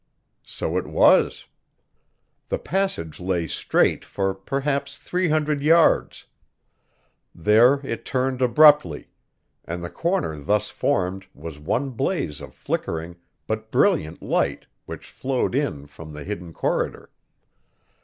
So it was. The passage lay straight for perhaps three hundred yards. There it turned abruptly; and the corner thus formed was one blaze of flickering but brilliant light which flowed in from the hidden corridor.